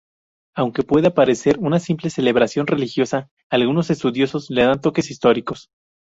Aunque pueda parecer una simple celebración religiosa, algunos estudiosos le dan toques históricos.